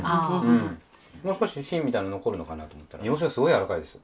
もう少し芯みたいなの残るのかなと思ったら煮干しがすごい柔らかいです。